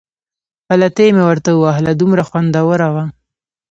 پلتۍ مې ورته ووهله، دومره خوندوره وه.